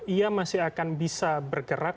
ia masih akan bisa bergerak